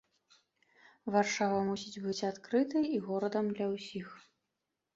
Варшава мусіць быць адкрытай, і горадам для ўсіх.